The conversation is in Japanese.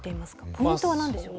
ポイントは何でしょう？